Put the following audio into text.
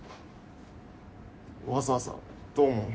わざわざどうも。